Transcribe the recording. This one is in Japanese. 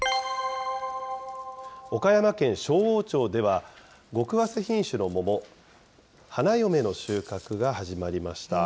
岡山県勝央町では、ごくわせ品種の桃、はなよめの収穫が始まりました。